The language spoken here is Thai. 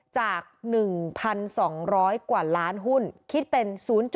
จาก๑๒๐๐กว่าล้านหุ้นคิดเป็น๐๘